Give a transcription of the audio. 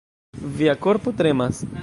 Via korpo tremas.